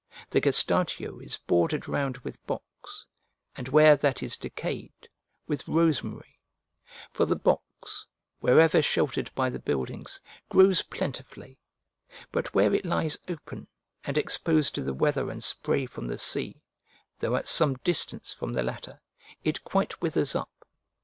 The gestatio is bordered round with box, and, where that is decayed, with rosemary: for the box, wherever sheltered by the buildings, grows plentifully, but where it lies open and exposed to the weather and spray from the sea, though at some distance from the latter, it quite withers up.